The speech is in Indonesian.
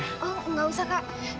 oh enggak usah kak